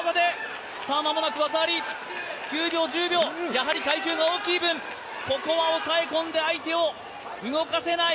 やはり階級が大きい分ここは抑え込んで相手を動かせない。